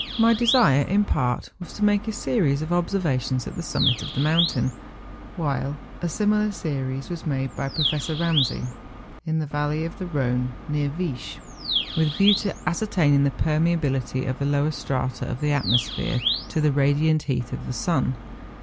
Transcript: My desire, in part, was to make a series of ob¬ servations at the summit of the mountain, while a similar series was made by Professor Ramsay, in the valley of the Rhone, near Viesch, with a view to ascertaining the permeability of the lower strata of the atmosphere to the radiant heat of the sun.